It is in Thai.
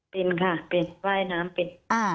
เป็นค่ะเป็นว่ายน้ำเป็น